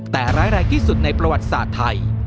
แต่ร้ายแรงที่สุดในประวัติศาสตร์ไทย